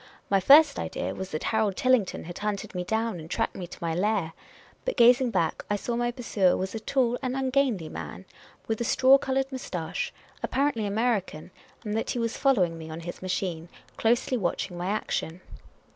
My first idea was that Harold Tillington had hunted me down and tracked me to my lair ; but gazing back, I saw my pursuer was a tall and ungainly man, with a straw coloured moustache, apparently American, and that he was following me on his machine, closely watching my action.